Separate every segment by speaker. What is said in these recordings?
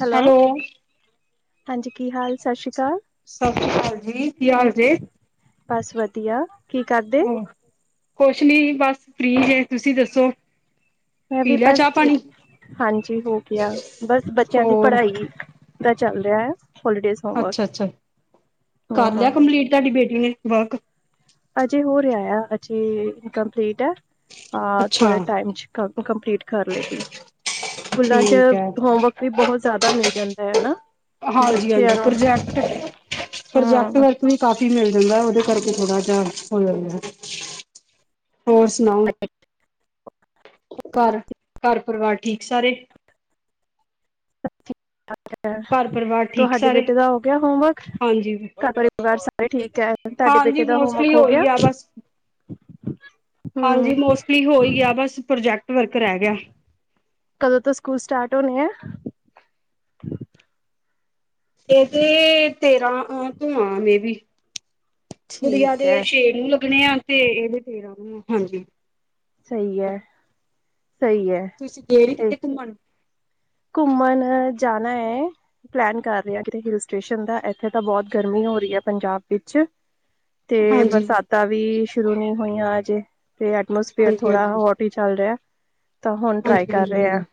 Speaker 1: Hello, ਹਾਂਜੀ ਕੀ ਹਾਲ? ਸਸ਼੍ਰੀ ਕਾਲ।
Speaker 2: ਸਸ਼੍ਰੀ ਕਾਲ ਜੀ, ਕੀ ਹਾਲ ਜੇ?
Speaker 1: ਬਸ ਵਦੀਆ, ਕੀ ਕਰਦੇ?
Speaker 2: ਕੁਸ਼ ਨੀ ਜੀ ਬਸ ਫਰੀ ਜੇ ਤੁਸੀਂ ਦੱਸੋ?
Speaker 1: ਮੈਂ ਵੀ
Speaker 2: ਪੀ ਲਿਆ
Speaker 1: ਬਸ
Speaker 2: ਚਾਹ
Speaker 1: ਚ,
Speaker 2: ਪਾਣੀ?
Speaker 1: ਹਾਂਜੀ ਹੋ ਗਿਆ, ਬਸ ਬੱਚੇਆਂ ਦੀ
Speaker 2: ਹੋਰ
Speaker 1: ਪੜਾਈ। ਦਾ ਚੱਲ ਰਿਆ ਐ, ਹੋਲੀਡੇਜ਼। ਹੋਮਵਰਕ
Speaker 2: ਅੱਛਾ-ਅੱਛਾ, ਕਰ ਲਿਆ
Speaker 1: ਹਮ
Speaker 2: ਕੰਪਲੀਟ ਤੁਆਡੀ ਬੇਟੀ ਨੇ ਵਰਕ?
Speaker 1: ਅਜੇ ਹੋ ਰਿਆ ਆ ਅਜੇ ਕੰਪਲੀਟ, ਅ
Speaker 2: ਅੱਛਾ
Speaker 1: ਥੋੜੇ ਟਾਈਮ ਚ। ਕੱਲ ਤੋ ਕੰਪਲੀਟ ਕਰ ਲੇਗੀ, ਸਕੂਲਾਂ ਚ
Speaker 2: ਠੀਕ ਐ।
Speaker 1: ਹੋਮਵਕ। ਵੀ ਬੋਹਤ ਜ਼ਾਦਾ ਮਿਲ ਜਾਂਦਾ ਐ ਹਨਾ?
Speaker 2: ਹਾਂਜੀ-ਹਾਂਜੀ ਪ੍ਰੋਜੈਕਟ, ਪ੍ਰੋਜੈਕਟ
Speaker 1: ਹਮ
Speaker 2: ਵਰਕ ਵੀ ਕਾਫੀ ਮਿਲ ਜਾਂਦੈ ਓਦੇ ਕਰਕੇ ਥੋੜਾ ਜਾ ਹੋ ਜਾਂਦੈ। ਹੋਰ ਸੁਣਾਓ, ਘਰ, ਘਰ ਪਰਿਵਾਰ ਠੀਕ ਸਾਰੇ?
Speaker 1: ਸਬ ਠੀਕ-ਠਾਕ
Speaker 2: ਘਰ
Speaker 1: ਐ,
Speaker 2: ਪਰਿਵਾਰ ਠੀਕ
Speaker 1: ਤੁਹਾਡੇ
Speaker 2: ਸਾਰੇ?
Speaker 1: ਬੇਟੇ ਦਾ ਹੋ ਗਿਆ ਹੋਮਵਕ?
Speaker 2: ਹਾਂਜੀ।
Speaker 1: ਕਪੜੇ ਪਰਿਵਾਰ ਸਾਰੇ ਠੀਕ ਐ।
Speaker 2: ਹਾਂਜੀ, ਮੋਸਟਲੀ ਹੋ ਈ ਗਿਆ ਬਸ।
Speaker 1: ਹਮ
Speaker 2: ਹਾਂਜੀ, ਮੋਸਟਲੀ ਹੋ ਈ ਗਿਆ ਬਸ ਪ੍ਰੋਜੈਕਟ ਵਰਕ ਰੈ ਗਿਆ।
Speaker 1: ਕਦੋਂ ਤੋਂ ਸਕੂਲ ਸਟਾਰਟ ਹੋਣੈ ਐ?
Speaker 2: ਏਦੇ ਤੇਰਾਂ ਅ ਤੋ ਆਂ, ਮੇ ਬੀ ਗੁੜੀਆਂ
Speaker 1: ਠੀਕ
Speaker 2: ਦੇ
Speaker 1: ਹੈ
Speaker 2: ਛੇ ਨੂੰ ਲੱਗਣੇ ਆ ਤੇ ਏਦੇ ਤੇਰਾਂ ਨੂੰ ਆ, ਹਾਂਜੀ।
Speaker 1: ਸਈ ਐ, ਸਈ ਐ।
Speaker 2: ਤੁਸੀਂ ਗੇ ਨੀ ਕਿਤੇ ਘੁੰਮਨ?
Speaker 1: ਘੁੰਮਨ ਜਾਨਾ ਏ। ਪਲੈਨ ਕਰ ਰਿਹਾ ਕਿਤੇ ਹਿਲ ਸਟੇਸ਼ਨ ਦਾ। ਐਥੇ ਤਾਂ ਬਹੁਤ ਗਰਮੀ ਹੋ ਰਹੀ ਐ ਪੰਜਾਬ ਵਿੱਚ। 'ਤੇ
Speaker 2: ਹਾਂਜੀ,
Speaker 1: ਬਰਸਾਤਾਂ ਵੀ ਸ਼ੁਰੂ ਨੀ ਹੋਈਆਂ ਅਜੇ। ਤੇ ਐਟਮੋਸਫੇਅਰ
Speaker 2: ਹਾਂਜੀ,
Speaker 1: ਥੋੜਾ
Speaker 2: ਹਾਂਜੀ,
Speaker 1: ਹੋਟ ਹੀ ਚੱਲ ਰਿਐ, ਤਾਂ ਹੁਣ ਟਰਾਈ
Speaker 2: ਹਾਂਜੀ, ਹਾਂਜੀ,
Speaker 1: ਕਰ ਰੇ ਆ।
Speaker 2: ਹਾਂਜੀ।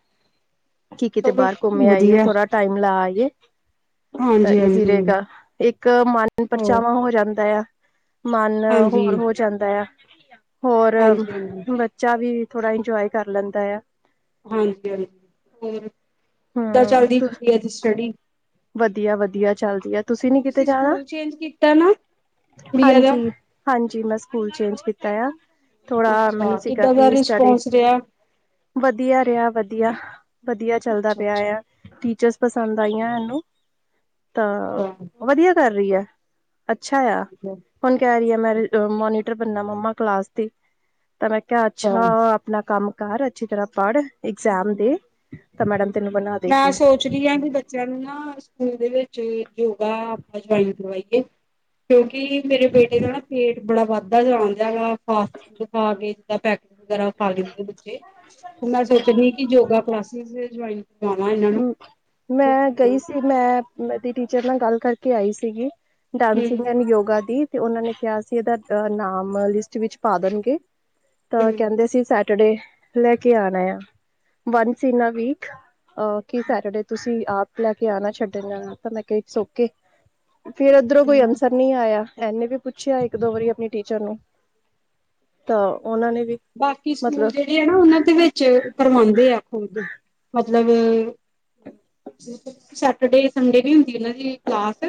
Speaker 1: ਕੀ ਕਿਤੇ
Speaker 2: ਚਲੋ
Speaker 1: ਬਾਹਰ ਘੁੰਮ ਆਈਏ,
Speaker 2: ਵਧੀਆ
Speaker 1: ਥੋੜਾ ਟਾਈਮ ਲਾ ਆਈਏ। ਤਾਂ
Speaker 2: ਹਾਂਜੀ,
Speaker 1: ਇਜ਼ੀ
Speaker 2: ਹਾਂਜੀ
Speaker 1: ਰਹੇਗਾ, ਇੱਕ ਮਨ
Speaker 2: ਹੋਰ
Speaker 1: ਪਰਚਾਵਾਂ ਹੋ ਜਾਂਦੈ ਆ। ਮਨ ਹੋਰ
Speaker 2: ਹਾਂਜੀ,
Speaker 1: ਹੋ ਜਾਂਦੈ ਆ, ਹੋਰ
Speaker 2: ਹਾਂਜੀ, ਹਾਂਜੀ,
Speaker 1: ਬੱਚਾ ਵੀ, ਥੋੜਾ ਇੰਜੋਏ ਕਰ ਲੈਂਦਾ ਆ।
Speaker 2: ਹਾਂਜੀ -ਹਾਂਜੀ। ਹੋਰ, ਕਿੱਦਾਂ ਚੱਲਦੀ ਪਈ ਐ ਜੀ ਸਟੱਡੀ?
Speaker 1: ਵਦੀਆ -ਵਦੀਆ ਚੱਲਦੀ ਆ। ਤੁਸੀਂ ਨੀ ਕਿਤੇ ਜਾਣਾ?
Speaker 2: ਸਕੂਲ ਚੇਂਜ ਕੀਤਾ ਨਾ ਗੁੜੀਆ ਦਾ?
Speaker 1: ਹਾਂਜੀ। ਹਾਂਜੀ, ਮੈਂ ਸਕੂਲ ਚੇਂਜ ਕੀਤਾ ਆ। ਥੋੜਾ,
Speaker 2: ਅੱਛਾ
Speaker 1: ਮੈਨੂੰ ਸੀਗਾ
Speaker 2: ਕਿੱਦਾਂ ਦਾ
Speaker 1: ਕਿ ਸਟਡੀ?
Speaker 2: ਰਿਸਪੋਂਸ ਰਿਹਾ?
Speaker 1: ਵਦੀਆ ਰੇਆ, ਵਦੀਆ - ਵਦੀਆ ਚੱਲਦਾ।
Speaker 2: ਅੱਛਾ,
Speaker 1: ਪਿਆ
Speaker 2: ਅੱਛਾ
Speaker 1: ਆ ਟੀਚਰਸ ਪਸੰਦ ਆਈਆਂ
Speaker 2: ਅੱਛਾ
Speaker 1: ਐਨੂੰ, ਤਾਂ ਵਦੀਆ ਕਰ ਰਹੀ ਐ। ਅੱਛਾ ਆ।
Speaker 2: ਠੀਕ ਹੈ
Speaker 1: ਹੁਨ ਕਹਿ ਰਹੀ ਐ ਮੈਂ
Speaker 2: ਠੀਕ ਹੈ
Speaker 1: ਅ ਮੋਨੀਟਰ ਬਣਨਾ ਮੰਮਾ ਕਲਾਸ ਦੀ। ਤਾਂ ਮੈਂ ਕਿਹਾ, ਅੱਛਾ, ਆਪਣਾ ਕੰਮ ਕਰ ਅੱਛੀ ਤਰ੍ਹਾਂ। ਪੜ੍ਹ, ਇਗਜਾਮ ਦੇ, ਤਾਂ ਮੈਡਮ ਤੈਨੂੰ ਬਣਾ
Speaker 2: ਮੈਂ
Speaker 1: ਦੇਗੀ
Speaker 2: ਸੋ ਸ਼ਿਰਿਆ ਦੇ ਬੱਚਿਆਂ ਨੂੰ ਨਾ ਸਕੂਲ ਦੇ ਵਿੱਚ ਯੋਗਾ, ਆਪ ਜੁਆਇਨ ਕਰਵਾਈ ਏ। [unintelligible] ਕਿਉਂਕਿ, ਮੇਰੇ ਬੇਟੇ ਦਾ ਨਾ ਪੇਟ ਬੜਾ ਵੱਧਦਾ ਜਾਂਦਾ ਵਾ ਫਾਸਟ ਫੂਡ ਖਾ ਕੇ। ਐ ਪੈਕ ਵਗੈਰਾ ਖਾ ਲੈਦੇ ਬੱਚੇ। ਮੈਂ ਸੋਚਨੀ ਕਿ ਯੋਗਾ ਕਲਾਸਿਸ ਜੋਆਇ
Speaker 1: ਹੂੰ, ਮੈਂ ਗਈ ਸੀ। 'ਤੇ ਮੈਂ, ਮੈ ਏਦੀ ਟੀਚਰ ਨਾਲ ਗੱਲ ਕਰਕੇ ਆਈ ਸੀਗੀ,
Speaker 2: ਹਮ
Speaker 1: ਡਾਂਸਿੰਗ ਐਂਡ ਯੋਗਾ ਦੀ। ਤੇ ਉਹਨਾਂ ਨੇ ਕਿਹਾ ਸੀ, ਇਹਦਾ ਨਾਮ ਲਿਸਟ ਵਿਚ ਪਾ ਦੇਣਗੇ। ਤਾਂ
Speaker 2: ਹਮ
Speaker 1: ਕਹਿੰਦੇ ਸੀ ਸ ਟੁਡੇ, ਲੈ ਕੇ ਆਣਾ ਆ। ਵੰਸ ਇਨਾ ਦੀ ਅ ਕੀ, ਸੈਟਰਡੇ ਤੁਸੀਂ ਆਪ ਲੈ ਕੇ ਆਣਾ, ਛੱਡਣ। ਮੈਂ ਕਿਹਾ, ਇਟਸ ਓਕੇ। ਫਿਰ ਓਧਰੋਂ ਕੋਈ
Speaker 2: ਹਮ
Speaker 1: ਅਂਸਰ ਨੀ ਆਇਆ। ਐਨੇ ਵੀ ਪੁੱਛਿਆ ਇੱਕ- ਦੋ ਵਾਰੀ ਆਪਣੀ ਟੀਚਰ ਨੂੰ। ਤਾਂ ਉਹਨਾਂ ਨੇ ਵੀ ਮਤਲਬ
Speaker 2: ਤੇ ਏ ਨਾ ਉਹਨਾਂ ਦੇ ਵਿੱਚ ਕਰਵਾਂਦੇ ਆ ਖੁਦ। ਮਤਲਬ ਸੈਟਰਡੇ- ਸੰਡੇ ਨੀ ਹੁੰਦੀ ਇੰਨਾਂ ਦੀ ਕਲਾਸ।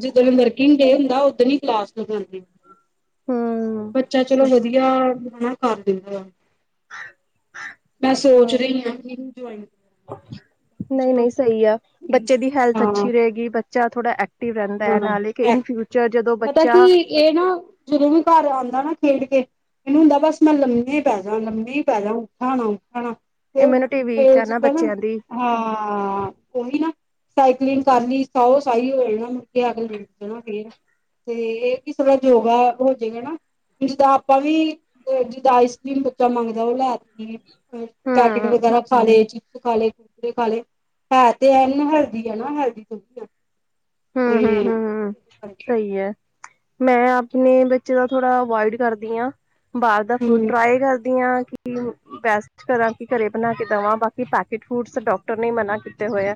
Speaker 2: ਜਿਦਣ ਵਰਕਿੰਗ ਡੇ ਹੁੰਦਾ, ਓਦਣ ਹੀ ਕਲਾਸ ਲਗਾਂਦੇ।
Speaker 1: ਹੂੰ
Speaker 2: ਬੱਚਾ ਚਲੋ, ਵਦੀਆ। ਮਨਾ ਕਰ ਦਿੰਦਾ ਮੈਂ ਸੋਚ
Speaker 1: ਹੂੰ
Speaker 2: ਰਹੀ ਆਂ ਕਿ ਕਰਾਵਾਂ।
Speaker 1: ਨਹੀਂ
Speaker 2: ਚਲੋ
Speaker 1: ਨਹੀਂ ਸਹੀ ਆ ਬੱਚੇ ਦੀ ਹੈਲਥ
Speaker 2: ਹਾਂ
Speaker 1: ਅੱਛੀ ਰਹੇਗੀ ਬੱਚਾ ਥੋੜਾ ਐਕ ਐਕਟਿਵ ਰਹਿੰਦਾ ਹੈ ਨਾਲੇ ਕਿ
Speaker 2: ਹਾਂ
Speaker 1: ਇਨ ਫਿਊਚਰ ਜਦੋਂ
Speaker 2: ਪਤਾ
Speaker 1: ਬੱਚਾ
Speaker 2: ਕੀ ਇਹ ਨਾ ਜਦੋਂ ਵੀ ਘਰ ਆਉਂਦਾ ਨਾ ਖੇਡ ਕੇ ਇਨੂੰ ਹੁੰਦਾ ਬਸ ਮੈਂ ਲੰਮੇ ਪੈ ਜਾ ਲੰਮੇ ਹੀ ਪੈ ਜਾ ਉੱਠਾ ਨਾ ਉੱਠਾ ਣਾ
Speaker 1: ਇਮਿਊਨਿਟੀ ਵੀਕ ਐ ਨਾ ਬੱਚਿਆਂ ਦੀ
Speaker 2: ਹਾਂ ਉਹੀ ਨਾ ਸਾਈਕਲਿੰਗ ਕਰਨੀ ਸਾਹੋ ਸਾਹੀ ਹੋ ਜਾਣਾ [unintelligible] ਵੀ ਥੋੜ੍ਹਾ ਯੋਗਾ ਹੋ ਜਾਏਗਾ ਨਾ ਜਿੱਦਾਂ ਆਪਾਂ ਵੀ ਜਿੱਦਾਂ ਆਈਸ ਕਰ੍ਰੀਮ ਬੱਚਾ ਮੰਗਦਾ ਉਹ ਲੈ ਤੀ ਪੈਕੇਟ
Speaker 1: ਹਮ
Speaker 2: ਵਗੈਰਾ ਖਾ ਲੇ ਚਿਪਸ ਖਾ ਲੇ [unintelligible] ਹਲਦੀ ਹੈ ਨਾ ਹਲਦੀ ਥੋੜ੍ਹੀ ਆ
Speaker 1: ਹੂੰ ਹੂੰ ਹੂੰ ਹੂੰ ਸਹੀ ਐ ਮੈਂ ਆਪਣੇ ਬੱਚੇ ਦਾ ਥੋੜਾ ਅਵੋਇਡ ਕਰਦੀ ਆਂ ਬਾਹਰ ਦਾ ਫੂਡ ਟਰਾਈ ਕਰਦੀ ਆਂ ਕਿ ਬਸ ਕਰਾਂ ਕੀ ਘਰੇ ਬਣਾ ਕੇ ਦਵਾਂ ਬਾਕੀ ਪੈਕਟ ਫੂਡਸ ਡਾਕਟਰ ਨੇ ਮਨਾ ਕੀਤੇ ਹੋਏ ਆ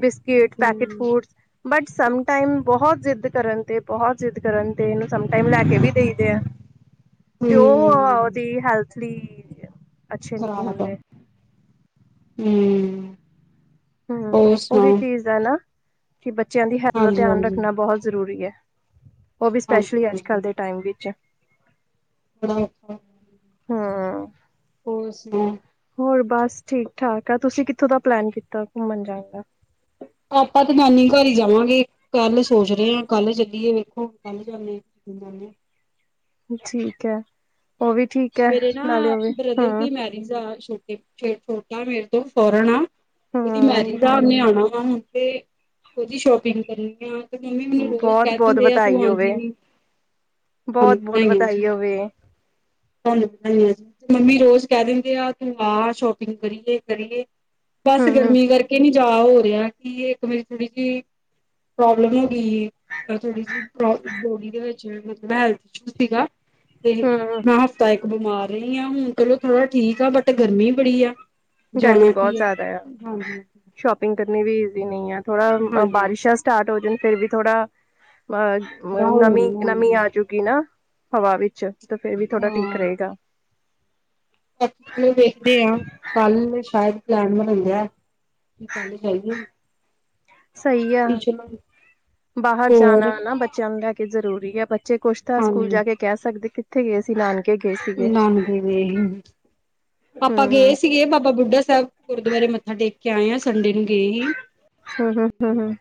Speaker 1: biscuit, packet food but some time ਬੋਹਤ ਜਿੱਦ ਕਰਨ ਤੇ ਬੋਹਤ ਜਿੱਦ ਕਰਨ ਤੇ ਇਹਨੂੰ ਸਮ ਟਾਈਮ ਈ ਲੈ ਕੇ ਵੀ ਦੇਈ ਦੇ ਐ। ਤੇ ਉਹ ਓਦੀ ਹੈਲਥ ਲੀ ਅਛ
Speaker 2: ਹੂੰ
Speaker 1: ਹੂੰ,
Speaker 2: ਹੋਰ
Speaker 1: ਉਹੀ
Speaker 2: ਸੁਣਾਓ
Speaker 1: ਚੀਜ਼ ਐ ਨਾ ਕਿ ਬੱਚਿਆਂ ਦੀ ਹੈਲ ਦਾ
Speaker 2: ਹਾਂਜੀ
Speaker 1: ਧਿਆਨ
Speaker 2: ਹਾਂਜੀ
Speaker 1: ਰੱਖਣਾ ਬੋਹਤ ਜ਼ਰੂਰੀ ਐ। ਓ ਵੀ
Speaker 2: ਹਾਂਜੀ
Speaker 1: ਸਪੈਸ਼ਲੀ ਅੱਜ
Speaker 2: ਹਾਂਜੀ
Speaker 1: ਕੱਲ੍ਹ ਦੇ ਟਾਈਮ ਵਿੱਚ।
Speaker 2: [unintelligible]
Speaker 1: ਹਾਂ
Speaker 2: ਹੋਰ ਸੁਣਾ?
Speaker 1: ਹੋਰ ਬਸ ਠੀਕ ਠਾਕ ਆ ਤੁਸੀਂ ਕਿੱਥੋਂ ਦਾ ਪਲੈਨ ਕੀਤਾ ਘੁੰਮਨ ਜਾਨ ਦਾ।
Speaker 2: ਆਪਾਂ ਤੇ ਨਾਨੀ ਘਰ ਈ ਜਾਵਾਗੀ ਕੱਲ ਸੋਚ ਰੀ ਆ। ਕੱਲ ਚੱਲੀਏ ਵੇਖੋ ਕੱਲ ਜਾਨੇ ਨੀ ਜਾਨੇ।
Speaker 1: ਠੀਕ ਐ ਉਹ ਵੀ ਠੀਕ ਐ
Speaker 2: ਨਾ
Speaker 1: ਨਾਲੇ ਓ ਵੀ
Speaker 2: ਬ੍ਰਦਰ
Speaker 1: ਹੂੰ
Speaker 2: [unintelligible] ਮੇਰੇ ਤੋਂ ਫੋਰਨ ਆ। ਓਦੀ ਦੀ
Speaker 1: ਹਮ
Speaker 2: ਮੈਰਿਜ ਆ ਉਹਨੇ ਆਣਾ ਵਾ ਹੁਣ ਤੇਓਦੀ ਸ਼ੋਪਿੰਗ ਕਰਨ ਲੱਗੇ ਆ। ਤੇ ਮੰਮੀ ਮੈਨੂੰ ਰੋਜ਼
Speaker 1: ਬਹੁਤ
Speaker 2: ਕਹਿ
Speaker 1: ਬਹੁਤ
Speaker 2: ਦਿੰਦੇ ਆ ਤੂੰ
Speaker 1: ਵਧਾਈ ਹੋਵੇ
Speaker 2: ਆਂਦੀ ਨੀ
Speaker 1: ਬਹੁਤ ਬਹੁਤ ਵਧਾਈ
Speaker 2: [unintelligible]
Speaker 1: ਹੋਵੇ
Speaker 2: [unintelligible] ਮੰਮੀ ਰੋਜ਼ ਕਹ ਦਿੰਦੇ ਆ ਤੂੰ ਆ ਸ਼ੋਪਿੰਗ ਕਰੀਏ-ਕਰੀਏ। ਬਸ
Speaker 1: ਹਮ
Speaker 2: ਗਰਮੀ ਕਰਕੇ ਨੀ ਜਾ ਹੋ ਰਿਹਾ ਕਿ ਇੱਕ ਮੇਰੀ ਥੋੜੀ ਜੀ ਪ੍ਰੋਬਲਮ ਹੋ ਗੀ ਏ। ਥੋੜ੍ਹੀ ਜੀ ਬੋ ਬੋਡੀ ਦੇ ਵਿੱਚ ਮਤਲਬ ਹੈਲਥ ਇਸ਼ੂ ਸੀਗਾ ਤੇ
Speaker 1: ਹਮ
Speaker 2: ਮੈਂ ਹਫ਼ਤਾ ਇੱਕ ਬਿਮਾਰ ਰਹੀ ਆ ਹੁਣ ਚਲੋ ਥੋੜਾ ਠੀਕ ਆ ਬਟ ਗਰਮੀ ਬੜੀ ਆ।
Speaker 1: ਗਰਮੀ
Speaker 2: ਜਾਣਾ
Speaker 1: ਬਹੁਤ
Speaker 2: ਕੀ ਆ,
Speaker 1: ਜ਼ਿਆਦਾ
Speaker 2: ਹਾਂਜੀ।
Speaker 1: ਸ਼ੋਪਿੰਗ ਕਰਨੀ ਵੀ ਜ਼ੀ ਨੀ ਹੈ ਥੋੜਾ
Speaker 2: ਹਾਂਜੀ
Speaker 1: ਬਾਰਿਸ਼ ਨਾਂ ਸਟਾਰਟ ਹੋ ਜਾਣ ਫਿਰ ਵੀ ਥੋੜਾ
Speaker 2: ਥੋੜਾ ਹੋ ਜਾਂਦਾ
Speaker 1: ਨਮੀ-ਨਮੀ
Speaker 2: ਹਾਂਜੀ
Speaker 1: ਆਜੂਗੀ ਨਾ ਹਵਾ ਵਿੱਚ ਤੇ ਫੇਰ ਵੀ ਥੋੜਾ ਠੀਕ
Speaker 2: ਹਾਂ
Speaker 1: ਰਏਗਾ।
Speaker 2: ਵੇਖਦੇ ਆ ਕੱਲ ਸ਼ਾਇਦ ਪਲੈਨ ਬਣਾਂਦੇ ਆ।
Speaker 1: ਸਹੀ ਆ
Speaker 2: [unintelligible]
Speaker 1: ਬਾਹਰ ਜਾਣਾ
Speaker 2: ਹੋਰ
Speaker 1: ਨਾ ਬੱਚਿਆਂ ਨੂੰ ਲੈ ਕੇ ਜ਼ਰੂਰੀ ਆ ਬੱਚੇ ਕੁੱਛ ਤਾਂ ਸਕੂਲ
Speaker 2: ਹਾਂਜੀ
Speaker 1: ਜਾ ਕੇ ਕਹ ਸਕਦੇ ਕਿੱਥੇ ਗੇ ਸੀ ਨਾਨ
Speaker 2: ਨਾਨਕੇ ਗਏ ਹੀ ਆਪਾ ਗਏ
Speaker 1: ਹਮ
Speaker 2: ਸੀਗੇ ਬਾਬਾ ਬੁੱਢਾ ਸੈਬ ਗੁਰਦੁਆਰੇ ਮ ਮੱਥਾ ਟੇਕ ਕੇ ਆਏ ਆ ਸੰਡੇ ਨੂੰ ਗਏ ਹੀ।
Speaker 1: ਹਮ ਹਮ ਹਮ ਹਮ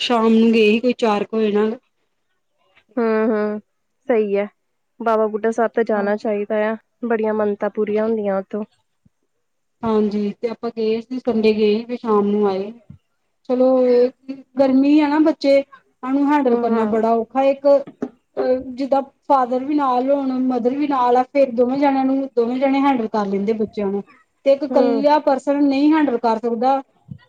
Speaker 2: ਸ਼ਾਮ ਨੂੰ ਗਏ ਹੀ ਕੋਈ ਚਾਰ ਕੁ ਵਜੇ ਨਾਲ।
Speaker 1: ਹਾਂ-ਹਾਂ ਸਹੀ ਐ ਬਾਬਾ ਬੁੱਢਾ ਸਾਬ ਤੇ ਜਾਨਾ ਚਾਹੀਦਾ ਆ। ਬੜੀਆਂ ਮੰਨਤਾ ਪੂਰੀਆਂ ਹੁੰਦੀਆਂ ਉਥੋ।
Speaker 2: ਹਾਂਜੀ ਤੇ ਆਪਾਂ ਗਏ ਸੀ ਸੰਡੇ ਗਏ ਫਿਰ ਸ਼ਾਮ ਨੂੰ ਆਏ, ਚਲੋ ਏਹ ਗਰਮੀ ਐ ਨਾ ਬੱਚੇ ਓਨੂੰ ਹੈਂਡਲ
Speaker 1: ਹਮ
Speaker 2: ਕਰਨਾ ਬੜਾ ਔਖਾ ਇੱਕ ਅ ਜਿੱਦਾ ਫਾਦਰ ਵੀ ਨਾਲ ਹੋਣ ਮਦਰ ਵੀ ਨਾਲ ਆ ਫੇਰ ਦੋਵੇਂ ਜਣਿਆਂ ਨੂੰ ਦੋਵੇਂ ਜਣੇ ਹੈਂਡਲ ਕਰ ਲੈਂਦੇ ਬੱਚਿਆਂ ਨੂੰ। ਤੇ ਇੱਕ
Speaker 1: ਹਮ
Speaker 2: ਇਕੱਲਾ ਪਰਸਨ ਨਈ ਹੈਂਡਲ ਕਰ ਸਕਦਾ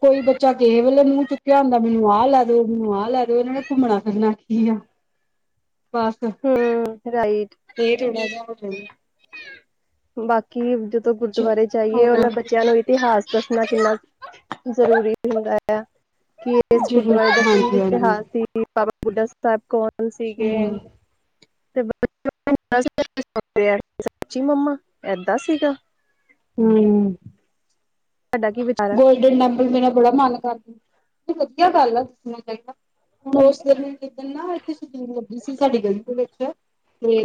Speaker 2: ਕੋਈ ਬੱਚਾ ਕੇ ਪੇਲੇ ਮੂਹ ਚੁੱਕਿਆ ਹੁੰਦਾ ਮੈਨੂੰ ਆਹ ਲੈ ਦੋ ਮੈਨੂੰ ਆਹ ਲੈ ਦੋ ਇਹਨਾਂ ਨੇ ਘੁੰਮਣਾ-ਫਿਰਨਾ ਕੀ ਆ। ਬਸ।
Speaker 1: ਹੂੰ ਰਾਈਟ।
Speaker 2: ਤੇ ਥੋੜਾ ਜਾ ਹੋ ਜਨ।
Speaker 1: ਬਾਕੀ ਜਦੋਂ ਗੁਰਦੁਆਰੇ
Speaker 2: ਚਲੋ
Speaker 1: ਜਾਈਏ ਓਨਾ
Speaker 2: ਹੋਰ
Speaker 1: ਬੱਚਿਆਂ ਨੂੰ ਵੀ ਇਤਿਹਾਸ ਦੱਸਨਾ ਕਿੰਨਾ ਜ਼ਰੂਰੀ ਹੁੰਦਾ ਆ। ਕੀ ਇਸ
Speaker 2: ਜ਼ਰੂਰ
Speaker 1: ਗੁਰਦੁਆਰੇ ਦਾ ਕੀ
Speaker 2: ਹਾਂਜੀ ਹਾਂਜੀ
Speaker 1: ਇਤਿਹਾਸ ਸੀ। ਬਾਬਾ ਬੁੱਢਾ ਸਾਬ ਕੌਣ ਸੀਗੇ।
Speaker 2: ਹਮ
Speaker 1: ਸਚੀ ਮੰਮਾ ਏਦਾਂ ਸੀਗਾ?
Speaker 2: ਹਮ
Speaker 1: ਤੁਹਾਡਾ ਕਿ?
Speaker 2: ਗੋਲਡਨ ਟੈਂਪਲ ਮੇਰਾ ਬੜਾ ਮਨ ਕਰਦਾ। ਨਈ ਵੱਧੀਆ ਗੱਲ ਆ ਦੱਸਣਾ ਚਾਈਦਾ, ਓਸ ਦਿਨ ਜਿੱਦਣ ਨਾ ਸ਼ਬੀਲ ਲੱਗੀ ਸੀ ਸਾਡੀ ਗਲੀ ਦੇ ਵਿੱਚ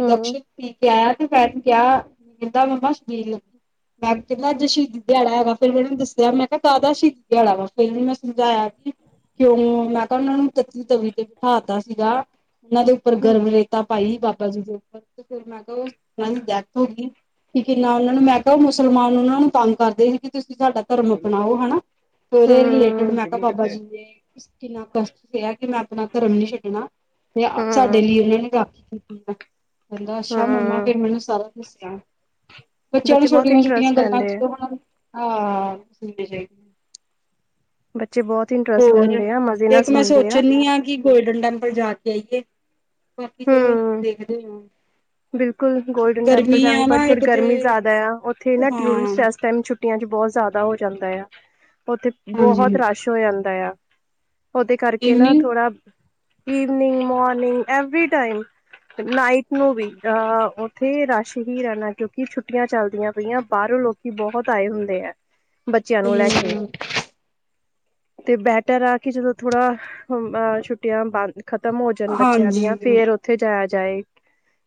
Speaker 1: ਹੂੰ
Speaker 2: ਓਨੂੰ ਕਿਹਾ, ਕੈਂਦਾ ਮੱਮਾ ਸ਼ਬੀਲ ਲੱਗੀ, ਨਾਲੇ ਕੈਂਦਾ ਅੱਜ ਸ਼ਹੀਦੀ ਦਿਹਾੜਾ ਹੈਗਾ ਫੇਰ ਮੈਨੂੰ ਦ ਮੈਂ ਕਿਹਾ ਕਾਦਾ ਸ਼ਹੀਦੀ ਦਿਹਾੜਾ ਵਾ, ਫੇਰ ਮੈਂ ਓਨੂੰ ਸਮਝਾਇਆ ਕੀ ਕਿਉਂ ਮੈਂ ਕੇਆ ਓਨਾਂ ਨੂੰ ਤੱਤੀ ਤਵੀ ਤੇ ਬਿਠਾ ਦਿੱਤਾ ਸੀਗਾ, ਓਹਨਾਂ ਦੇ ਉੱਪਰ
Speaker 1: ਹੂੰ
Speaker 2: ਗਰਮ ਰੇ ਰੇਤਾ ਪਾਈ ਸੀ ਬਾਬਾ ਜੀ ਦੇ ਉੱਪਰ ਤੇ ਫੇਰ ਮੈਂ ਕੇਆ ਓਨਾਂ ਦੀ ਡੈਥ ਹੋ ਗਈ। ਕਿ ਕਿੰਨਾ ਓਨਾਂ ਨੂੰ ਮੈਂ ਕੇਆ ਮੁਸਲਮਾਨ ਓਨਾਂ ਨੂੰ ਤੰਗ ਕਰਦੇ ਸੀ ਕਿ ਤੁਸੀਂ ਸਾਡਾ ਧਰਮ ਅਪਣਾਓ ਹਨਾ, ਤੇ ਓਦੇ ਰਿਲੇਟਿਡ
Speaker 1: ਹੂੰ
Speaker 2: ਮੈਂ ਕੇਆ ਬਾਬਾ ਜੀ ਨੇ ਕਿੰਨਾ ਕਸ਼ਟ ਸੇਆ, ਕਿ ਮੈਂ ਆਪਣਾ ਧਰਮ ਨੀ ਛੱਡਣਾ। ਤੇ ਸਾਡੇ ਲਈ
Speaker 1: ਹੂੰ
Speaker 2: ਓਨਾਂ ਨੇ ਰਾਖੀ ਕੀਤੀ ਆ, ਕੇਂਦਾ ਅੱਛਾ ਮੰਮਾ
Speaker 1: ਹੂੰ
Speaker 2: ਫੇਰ ਮੈਨੂੰ ਸਾਰਾ ਦੱਸੇਆ, ਬੱਚੇਆਂ ਨੂੰ
Speaker 1: ਬੱਚੇ ਬਹੁਤ
Speaker 2: ਛੋਟੀਆਂ- ਛੋਟੀਆਂ
Speaker 1: ਇੰਟਰਸਟ
Speaker 2: ਗੱਲਾਂ
Speaker 1: ਲੈਂਦੇ ਆ
Speaker 2: ਕਰੋਣ ਨੂੰ ਆ--ਠੀਕ ਜੇ।
Speaker 1: ਬੱਚੇ ਬੋਤ
Speaker 2: ਹੋਰ, ਤੇ ਇੱਕ ਮੈਂ ਸੋਚਣ ਦੀ ਆ ਕਿ ਗੋਲਡਨ ਟੈਂਪਲ ਜਾ ਕੇ ਆਈਏ ਬਾਕੀ ਚਲੋ
Speaker 1: ਹੂੰ
Speaker 2: ਦੇਖਦੇ ਆ
Speaker 1: ਬਿਲਕੁਲ ਗੋਲਡਨ ਟੈਂਪਲ
Speaker 2: ਗਰਮੀ
Speaker 1: ਜਾਣਾ
Speaker 2: ਆ
Speaker 1: ਪਰ
Speaker 2: ਨਾ
Speaker 1: ਥੋੜੀ
Speaker 2: ਇੱਕ ਤੇ
Speaker 1: ਗਰਮੀ ਜ਼ਾਦਾ ਆ, ਓਥੇ ਨਾ
Speaker 2: ਹਾਂ
Speaker 1: ਟੂਰਿਸਟ ਐਸ ਟਾਈਮ ਛੁੱ ਛੁੱਟੀਆਂ ਚ ਬੋਤ ਜ਼ਾਦਾ ਹੋ ਜਾਂਦਾ ਆ, ਓਥੇ ਬੋਹਤ
Speaker 2: ਹਾਂਜੀ
Speaker 1: ਰਸ਼ ਹੋ ਜਾਂਦਾ ਆ। ਓਦੇ ਕਰਕੇ ਨਾ
Speaker 2: ਈਵਨਿੰਗ
Speaker 1: ਥੋੜਾ evening, morning, every time night ਨੂੰ ਵੀ ਅਹ ਓਥੇ ਰਸ਼ ਹੀ ਰੈਣਾ, ਕਿਓਕਿ ਛੁੱਟੀਆਂ ਚਲਦੀਆਂ ਪਈਆਂ, ਬਾਹਰੋਂ ਲੋਕੀ ਬੋਹਤ ਆਏ ਹੁੰਦੇ ਆ। ਬੱਚਆਂ
Speaker 2: ਤੇ
Speaker 1: ਨੂੰ ਲੈ ਕੇ। ਤੇ ਬੈਟਰ ਆ ਕਿ, ਜਦੋਂ ਥੋੜਾ ਅ ਛੁੱਟੀਆਂ ਬੰਦ ਖ਼ਤਮ ਹੋ ਜਾਣ ਬੱਚੇਆਂ ਦੀਆਂ,
Speaker 2: ਹਾਂਜੀ,
Speaker 1: ਫੇਰ ਉੱਥੇ ਜਾਏਆ ਜਾਏ।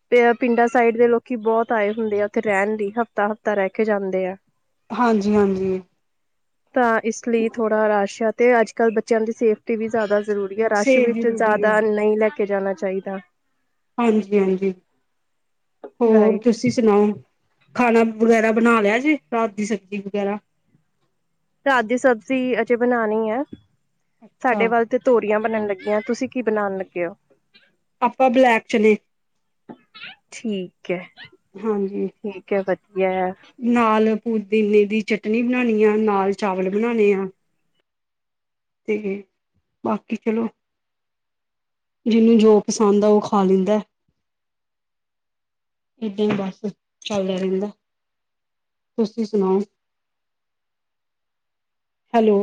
Speaker 1: ਤੇ ਪਿੰਡਾਂ ਸਾਈਡ ਦੇ ਲੋਕੀ ਬੋਤ ਆਏ ਹੁੰਦੇ ਆ, ਓਥੇ ਰੈਣ ਲਈ ਹਫਤਾ -ਹਫ਼ਤਾ ਰੈਹ ਕੇ ਜਾਂਦੇ।
Speaker 2: ਹਾਂਜੀ -ਹਾਂਜੀ।
Speaker 1: ਤਾਂ ਇਸ ਲਈ ਥੋੜਾ ਰਸ਼ ਆ, ਤੇ ਅੱਜ -ਕੱਲ੍ਹ ਬੱਚੇਆਂ ਦੀ ਸੇਫਟੀ ਵੀ ਜ਼ਾਦਾ ਜ਼ਰੂਰੀ ਆ, ਰਸ਼
Speaker 2: ਸੇਬ
Speaker 1: ਵਿੱਚ
Speaker 2: ਜ਼ਰੂਰੀ ਹੈ।
Speaker 1: ਜ਼ਾਦਾ ਨਈ ਲੈ ਕੇ ਜਾਣਾ ਚਾਈਦਾ।
Speaker 2: ਹਾਂਜੀ -ਹਾਂਜੀ। ਹੋਰ
Speaker 1: ਰਾਈਟ
Speaker 2: ਤੁਸੀਂ ਸੁਣਾਓ? ਖਾਣਾ ਵਗੈਰਾ ਬਣਾ ਲਿਆ ਜੇ, ਰਾਤ ਦੀ ਸਬਜ਼ੀ ਵਗੈਰਾ?
Speaker 1: ਰਾਤ ਦੀ ਸਬਜ਼ੀ ਅਜੇ ਬਣਾਨੀ ਐ, ਸਾਡੇ
Speaker 2: ਅੱਛਾ
Speaker 1: ਵੱਲ ਤੇ ਤੋਰੀਆਂ ਬਣਨ ਲੱਗੀਆਂ, ਤੁਸੀਂ ਕੀ ਬਣਾਨ ਲੱਗੇ ਓ?
Speaker 2: ਆਪਾਂ ਬਲੈਕ ਚਨੇ।
Speaker 1: ਠੀਕ ਐ।
Speaker 2: ਹਾਂਜੀ।
Speaker 1: ਠੀਕ ਐ ਵੱਧੀਆ।
Speaker 2: ਨਾਲ ਪੂਦਿਨੇ ਦੀ ਚਟਨੀ ਬਣਾਨੀ ਆ, ਨਾਲ ਚਾਵਲ ਬਣਾਨੇ ਆ। ਤੇ ਬਾਕੀ ਚਲੋ। ਜਿਹਨੂੰ ਜੋ ਪਸੰਦ ਆ, ਉਹ ਖਾ ਲੈਂਦਾ। ਏਦਾਂ ਈ ਬਸ ਚੱਲਦਾ ਰੈਂਦਾ, ਤੁਸੀਂ ਸੁਣਾਓ? Hello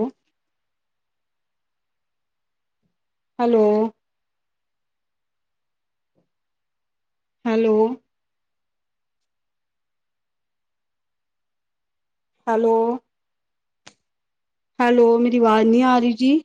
Speaker 2: hello hello. Hello. Hello, ਮੇਰੀ ਆਵਾਜ਼ ਨੀ ਆ ਰਹੀ ਜੀ।